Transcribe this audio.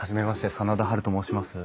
真田ハルと申します。